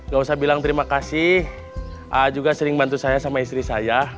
gak usah bilang terima kasih juga sering bantu saya sama istri saya